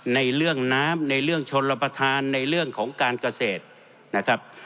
ในเรื่องน้ำในเรื่องชนรับประทานในเรื่องของการเกษตรนะครับ